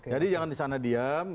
jadi jangan di sana diam